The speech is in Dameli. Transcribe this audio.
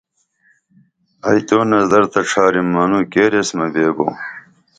ائی تو نظر تہ ڇھارم منوں کیر ایس مہ بیبو